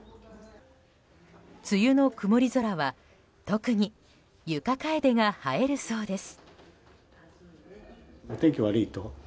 梅雨の曇り空は特に床カエデが映えるそうです。